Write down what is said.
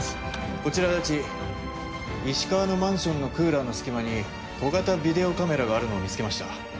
こちら足達石川のマンションのクーラーの隙間に小型ビデオカメラがあるのを見つけました。